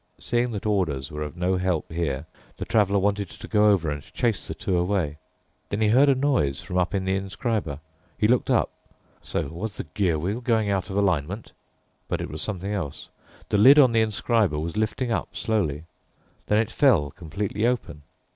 Seeing that orders were of no help here, the Traveler wanted to go over and chase the two away. Then he heard a noise from up in the inscriber. He looked up. So was the gear wheel going out of alignment? But it was something else. The lid on the inscriber was lifting up slowly. Then it fell completely open.